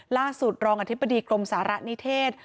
ล่าสุดรองอธิบดีกรมสาระนิเทศ